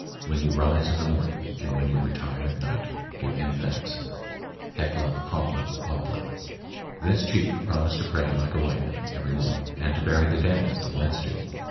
When you rise in the morning, and when you retire at night, give him thanks. Heccla Hockla Popla." This chief promised to pray like a white man every morning, and to bury the dead as the whites do.